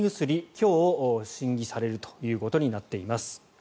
今日、審議されることになっています。